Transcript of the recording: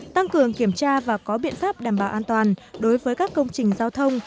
tăng cường kiểm tra và có biện pháp đảm bảo an toàn đối với các công trình giao thông